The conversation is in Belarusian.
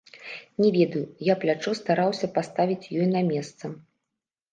Не ведаю, я плячо стараўся паставіць ёй на месца.